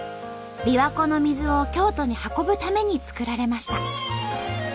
琵琶湖の水を京都に運ぶために造られました。